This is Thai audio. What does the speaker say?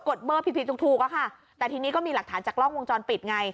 ดเบอร์ผิดผิดถูกถูกอะค่ะแต่ทีนี้ก็มีหลักฐานจากกล้องวงจรปิดไง